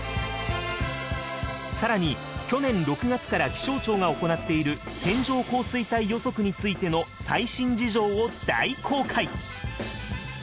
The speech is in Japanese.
更に去年６月から気象庁が行っている線状降水帯予測についての最新事情を大公開。